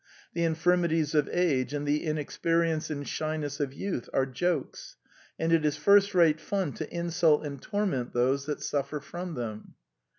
The infirmities of age and the inexperience and shyness of youth are jokes; and it is first rate fun to insult and torment those that suffer from them.